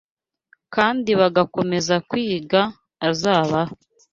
kandi bagakomeza kwiga, azabaha